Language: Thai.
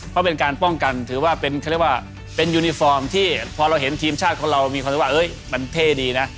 เพราะเป็นการป้องกันถือว่าเป็นเขาเรียกว่าเป็นยูนิฟอร์มที่พอเราเห็นทีมชาติของเรามีความรู้สึกว่ามันเท่ดีนะ